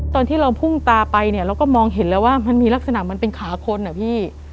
ตอนที่เราพุ่งตาไปเนี่ยเราก็มองเห็นแล้วว่ามันมีลักษณะมันเป็นขาคนอ่ะพี่